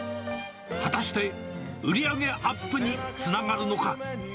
果たして売り上げアップにつながるのか。